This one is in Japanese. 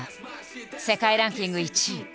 世界ランキング１位。